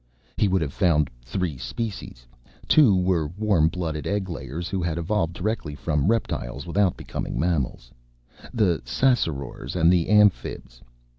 He would have found three species. Two were warm blooded egglayers who had evolved directly from reptiles without becoming mammals the Ssassarors and the Amphibs.